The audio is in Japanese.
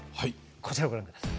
こちらをご覧ください。